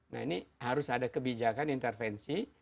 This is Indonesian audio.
nah ini harus ada kebijakan intervensi